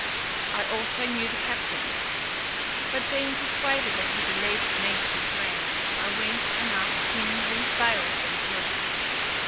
I also knew the captain; but being persuaded that he believed me to be drowned, I went, and asked him whose bales these were?